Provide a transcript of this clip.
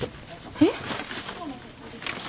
えっ？